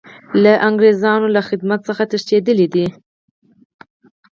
له انګریزانو له خدمت څخه تښتېدلی دی.